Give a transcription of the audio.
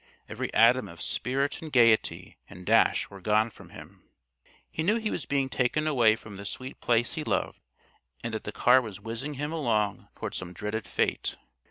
Every atom of spirit and gayety and dash were gone from him. He knew he was being taken away from the sweet Place he loved, and that the car was whizzing him along toward some dreaded fate.